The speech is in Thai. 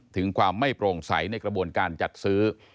ถึงความไม่โปร่งใสในกระบวนการจัดซื้อ